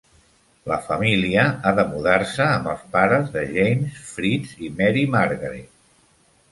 La família ha de mudar-se amb els pares de James, Fritz i Mary-Margaret.